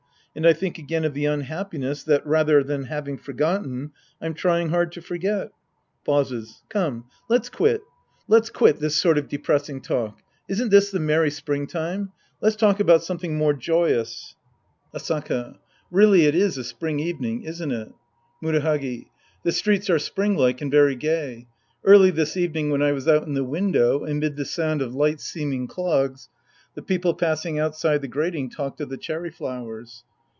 And I think again of the unhappiness that, rather than having forgotten, I'm trying hard to forget. {Pauses.) Come. Let's quit. Let's quit. Sc II The Priest and His Disciples 157 This sort of depressing tall<. Isn't this the merry springtime ? Let's talk about something more joyous. Asaka. Really it is a spring evening, isn't it ? Murahagi. The streets are springlike and very gay. Early this evening when I was out in the window, amid the sound of light seeming clogs, the people passing outside the grating talked of the cherry flowers.